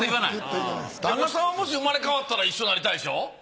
旦那さんはもし生まれ変わったら一緒になりたいでしょう？